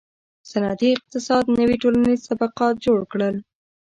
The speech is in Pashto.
• صنعتي اقتصاد نوي ټولنیز طبقات جوړ کړل.